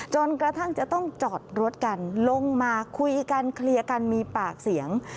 จนกระทั่งจะต้องจอดรถกันลงมาคุยกันเคลียร์กันมีปากเสียง